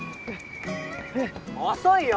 遅いよ！